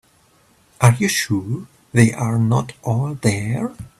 Are you sure they are not all there?